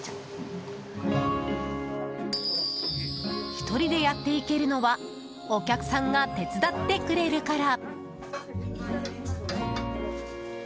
１人でやっていけるのはお客さんが手伝ってくれるから。